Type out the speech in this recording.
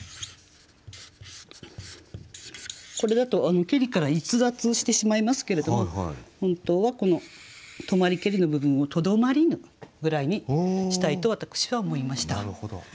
これだと「けり」から逸脱してしまいますけれども本当はこの「留まりけり」の部分を「とどまりぬ」ぐらいにしたいと私は思いました。